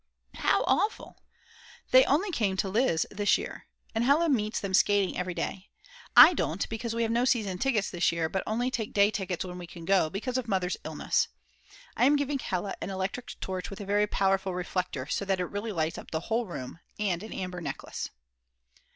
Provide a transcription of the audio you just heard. _ How awful!!! They only came to the Lyz this year, and Hella meets them skating every day, I don't because we have no season tickets this year but only take day tickets when we can go, because of Mother's illness. I am giving Hella an electric torch with a very powerful reflector, so that it really lights up the whole room, and an amber necklace.